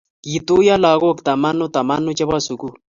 Kituiyo lagook tamanu tamanu chebo suguul